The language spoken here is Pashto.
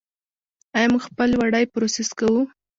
آیا موږ خپل وړۍ پروسس کوو؟